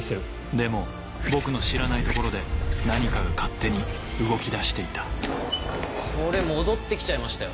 でも僕の知らないところで何かが勝手に動きだしていたこれ戻って来ちゃいましたよ。